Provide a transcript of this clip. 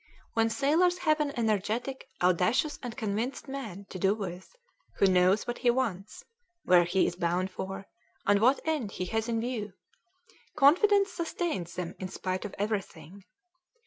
When sailors have an energetic, audacious, and convinced man to do with, who knows what he wants, where he is bound for, and what end he has in view, confidence sustains them in spite of everything.